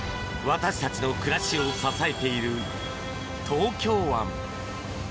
私たちの暮らしを支えている東京湾。